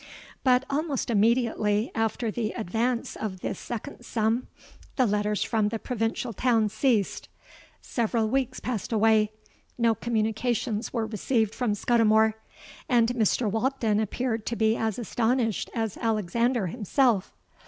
But almost immediately after the advance of this second sum, the letters from the provincial town ceased. Several weeks passed away: no communications were received from Scudimore;—and Mr. Walkden appeared to be as astonished as Alexander himself.